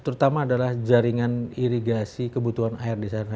terutama adalah jaringan irigasi kebutuhan air di sana